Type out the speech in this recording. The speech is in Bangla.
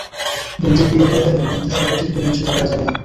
বোনদের বিয়ে হয়ে গেলেও বোনদের সম্পত্তি থেকে বঞ্চিত করা যাবে না।